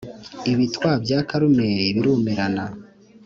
’ibitwa bya Karumeli birumirana.